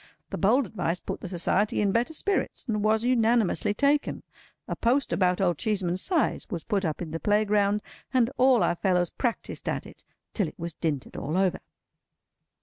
The bold advice put the Society in better spirits, and was unanimously taken. A post about Old Cheeseman's size was put up in the playground, and all our fellows practised at it till it was dinted all over.